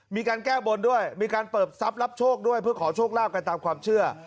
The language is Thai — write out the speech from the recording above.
มีการแก้บนด้วยมีการเปิดทรัพย์รับโชคด้วยเพื่อขอโชคลาภกันตามความเชื่อ